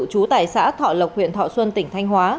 chú tài xã thọ lộc huyện thọ xuân tỉnh thanh hóa